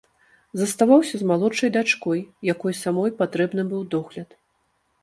Заставаўся з малодшай дачкой, якой самой патрэбны быў догляд.